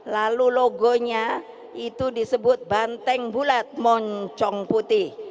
lalu logonya itu disebut banteng bulat moncong putih